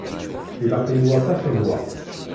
Ilaq-iyi waṭas n lweqt.